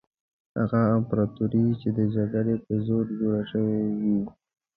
هغه امپراطوري چې د جګړې په زور جوړه شوې وي.